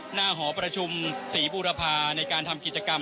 หอประชุมศรีบูรพาในการทำกิจกรรม